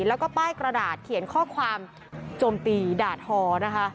แล้วก็ป้ายกระดาษเขียนข้อความจมตีดาดฮอล์